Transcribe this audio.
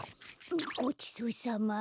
ごちそうさま。